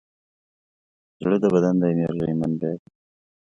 زړه د بدن د انرژۍ منبع ده.